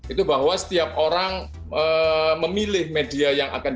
itu bahwa setiap orang memilih media yang akan